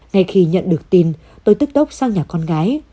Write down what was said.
ngay khi nhận được tin tôi tức tốc sang nhà con gái